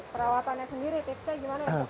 perawatannya sendiri tipsnya gimana ya